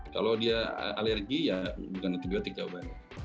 kalau dia alergi ya bukan antibiotik jawabannya